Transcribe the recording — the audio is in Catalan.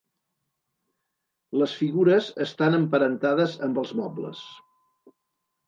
Les figures estan emparentades amb els mobles.